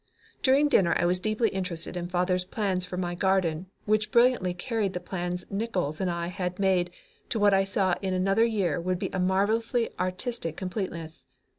During dinner I was deeply interested in father's plans for my garden, which brilliantly carried the plans Nickols and I had made to what I saw in another year would be a marvelously artistic completeness.